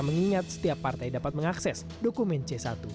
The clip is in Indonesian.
mengingat setiap partai dapat mengakses dokumen c satu